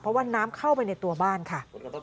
เพราะว่าน้ำเข้าไปในตัวบ้านค่ะ